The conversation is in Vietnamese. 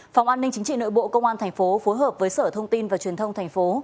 phòng an ninh chính trị nội bộ công an thành phố phối hợp với sở thông tin và truyền thông thành phố